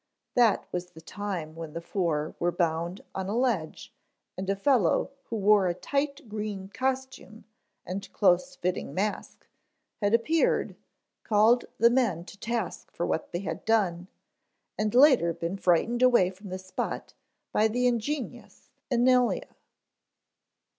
That was the time when the four were bound on a ledge and a fellow who wore a tight green costume and close fitting mask, had appeared, called the men to task for what they had done, and later been frightened away from the spot by the ingenious Ynilea.